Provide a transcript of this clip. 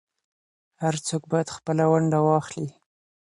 هر څوک بايد خپله ونډه واخلي.